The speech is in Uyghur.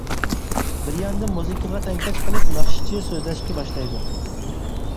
بىر ياندىن مۇزىكىغا تەڭكەش قىلىپ ناخشىچى سۆزلەشكە باشلايدۇ.